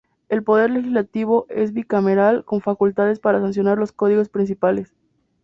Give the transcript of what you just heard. El poder legislativo es bicameral con facultades para sancionar los códigos principales.